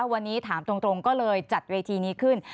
วันนี้ถามตรงก็เลยจัดเวทีนี้ขึ้น